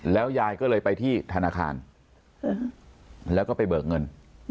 แล้วยายก็เลยไปที่ธนาคารแล้วก็ไปเบิกเงิน